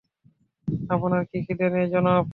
আপনার কি খিদে নেই, জনাব?